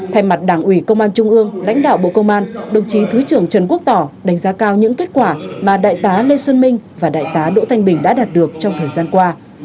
thay mặt đảng ủy công an trung ương lãnh đạo bộ công an đồng chí thứ trưởng trần quốc tỏ đánh giá cao những kết quả mà đại tá lê xuân minh và đại tá đỗ thanh bình đã đạt được trong thời gian qua